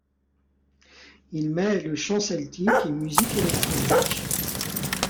Il mêle chants celtiques et musique électronique.